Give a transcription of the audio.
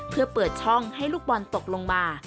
เพื่อเปิดช่องให้ลูกบอลตกลงมา